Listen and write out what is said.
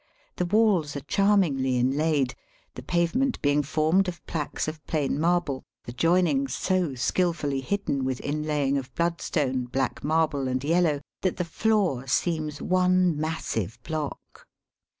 The walls are charm ingly inlaid, the pavement being formed of plaques of plain marble, the joinings so skil fully hidden with inlaying of bloodstone, black marble and yellow, that the floor seems one massive block.